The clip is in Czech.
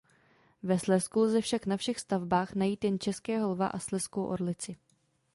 Ve Slezsku lze však na všech stavbách najít jen českého lva a slezskou orlici.